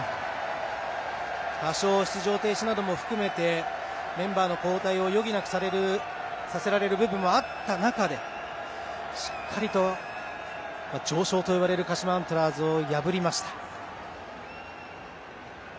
多少出場停止なども含めてメンバーの交代を余儀なくさせられる部分もあった中でしっかりと常勝と呼ばれる鹿島アントラーズを破りました。